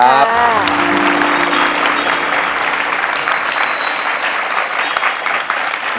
สวัสดีครับ